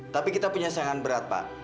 tapi kita punya serangan berat pak